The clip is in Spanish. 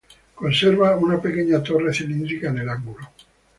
Conserva una pequeña torre cilíndrica en el ángulo.